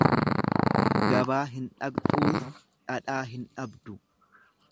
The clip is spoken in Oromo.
Gabaa hin dhaqxuu dhadhaa hin dhabdu.